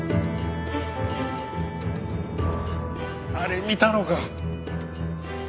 あれ見たのか。